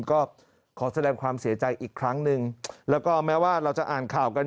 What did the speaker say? ก็ขอแสดงความเสียใจอีกครั้งหนึ่งแล้วก็แม้ว่าเราจะอ่านข่าวกัน